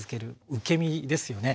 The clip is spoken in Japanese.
受け身ですよね。